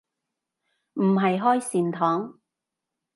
唔係開善堂